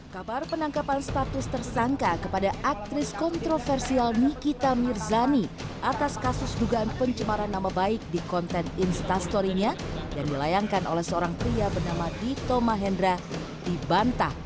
kepala penangkapan status tersangka